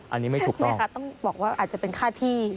อันนี้ไม่ถูกไหมคะต้องบอกว่าอาจจะเป็นค่าที่